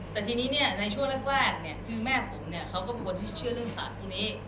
แต่ทีนี้เนี่ยในช่วงแรกเนี่ยคือแม่ผมเนี่ยเขาก็เป็นคนที่เชื่อเรื่องสัตว์พวกนี้